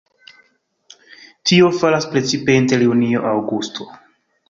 Tio falas precipe inter junio-aŭgusto.